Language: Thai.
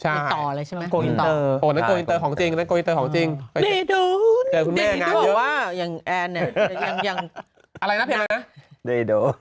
ใช่กูอินเตอร์ของจริงเจอคุณแม่งานเยอะอะไรนะเพลงอะไรนะเดดโอ